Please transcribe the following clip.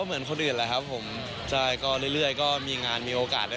เหมือนคนอื่นแหละครับผมใช่ก็เรื่อยก็มีงานมีโอกาสได้